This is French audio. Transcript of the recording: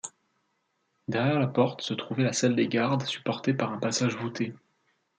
Derrière la porte se trouvait les salles des gardes, supportées par un passage voûté.